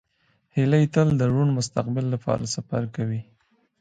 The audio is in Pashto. هیلۍ تل د روڼ مستقبل لپاره سفر کوي